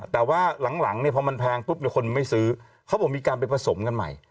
แต่ว่าหลังเนี่ยพอมันแพงปุ๊บเนี่ยคนไม่ซื้อเขาบอกมีการไปผสมกันใหม่